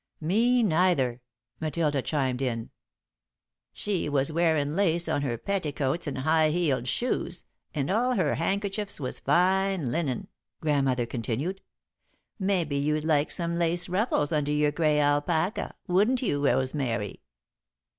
"Me neither," Matilda chimed in. "She was wearin' lace on her petticoats and high heeled shoes, and all her handkerchiefs was fine linen," Grandmother continued. "Maybe you'd like some lace ruffles under your grey alpaca, wouldn't you, Rosemary?"